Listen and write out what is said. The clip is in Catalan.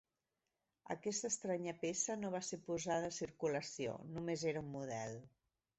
Aquesta estranya peça no va ser posada a circulació, només era un model.